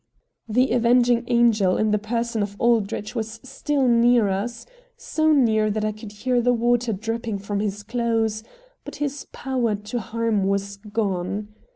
The avenging angel in the person of Aldrich was still near us, so near that I could hear the water dripping from his clothes, but his power to harm was gone.